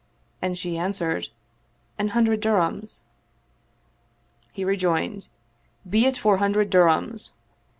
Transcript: And she answered, "An hundred dirhams." He rejoined, " Be it four hundred dirhams."